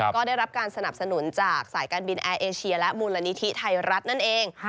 ก็ได้รับการสนับสนุนจากสายการบินแอร์เอเชียและมูลนิธิไทยรัฐนั่นเอง